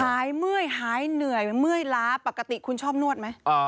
เมื่อยหายเหนื่อยเมื่อยล้าปกติคุณชอบนวดไหม